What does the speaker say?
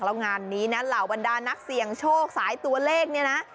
แล้วงานนี้นะเหล่าบรรดานักเสี่ยงโชคสายตัวเลขเนี่ยนะ